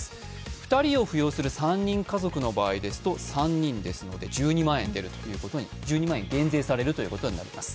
２人を扶養する３人家族の場合ですと、１２万円減税されることになります。